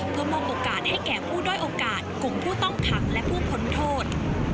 เพื่อมอบโอกาสให้แก่ผู้ด้อยโอกาสกลุ่มผู้ต้องขังและผู้พ้นโทษ